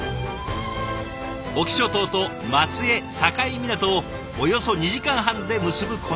隠岐諸島と松江境港をおよそ２時間半で結ぶこの船。